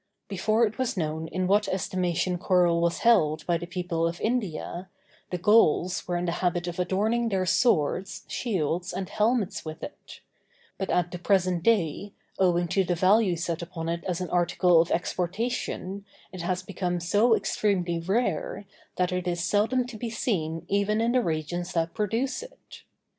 Before it was known in what estimation coral was held by the people of India, the Gauls were in the habit of adorning their swords, shields, and helmets with it; but at the present day, owing to the value set upon it as an article of exportation, it has become so extremely rare, that it is seldom to be seen even in the regions that produce it.